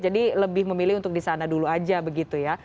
jadi lebih memilih untuk di sana dulu aja begitu ya